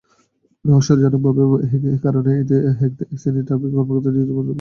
রহস্যজনক কারণেই একশ্রেণির ট্রাফিক কর্মকর্তা ডিজিটাল বাংলাদেশে অ্যানালগ ট্রাফিক-ব্যবস্থাই চালু রাখতে চাইছেন।